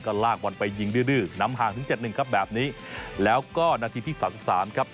ก็ลากวันไปยิงดื้อนำห่างถึง๗๑ครับแบบนี้แล้วก็นาทีที่๓๓ครับ